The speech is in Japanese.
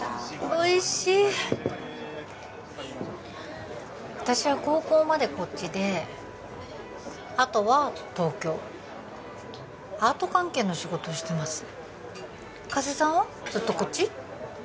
おいしい私は高校までこっちであとは東京アート関係の仕事をしてます加瀬さんはずっとこっち？